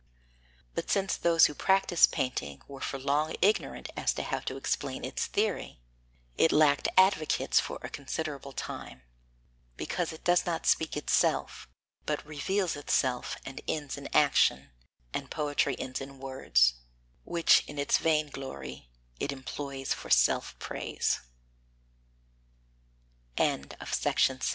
But since those who practised painting were for long ignorant as to how to explain its theory, it lacked advocates for a considerable time; because it does not speak itself, but reveals itself and ends in action, and poetry ends in words, which in its vainglory it employ